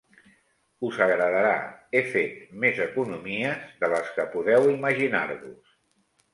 Us agradarà, he fet més economies de les que podeu imaginar-vos.